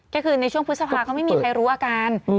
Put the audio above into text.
ก็คือในช่วงพฤษภาก็ไม่มีใครรู้อาการ